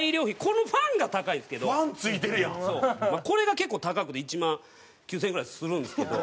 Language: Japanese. これが結構高くて１万９０００円ぐらいするんですけど。